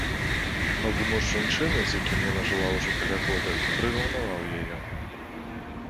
Новы муж жанчыны, з якім яна жыла ўжо каля года, прыраўнаваў яе.